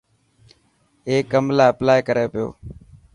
اي ڪم لاءِ اپلائي ڪري پيو.